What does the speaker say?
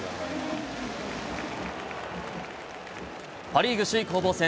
パ・リーグ首位攻防戦。